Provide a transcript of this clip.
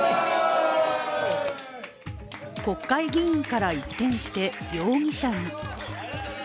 国会議員から一転して容疑者に。